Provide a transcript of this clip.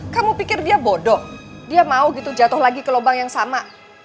kamu pikir dia bodoh dia mau gitu jatuh lagi ke lubang yang sama